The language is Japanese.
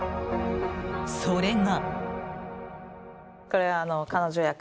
それが。